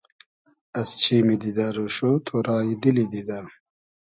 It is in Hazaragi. از چیمی دیدۂ رۉشۉ ، تۉرای دیلی دیدۂ